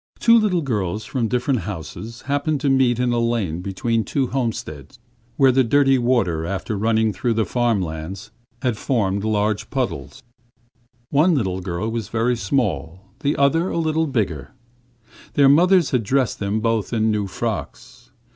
Two little girls from different houses happened to meet in a lane between two homesteads, where the dirty water after running through the farm yards had formed a large puddle. One girl was very small, the other a little bigger. Their mothers had dressed them both in new frocks.